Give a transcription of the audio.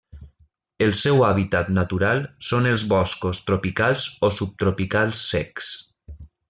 El seu hàbitat natural són els boscos tropicals o subtropicals secs.